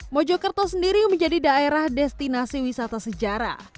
mojokerto sendiri menjadi daerah destinasi wisata sejarah